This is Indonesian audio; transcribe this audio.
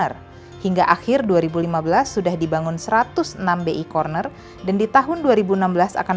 dengan begitu taraf hidup masyarakat diharapkan meningkat